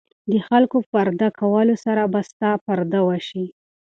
د خلکو په پرده کولو سره به ستا پرده وشي.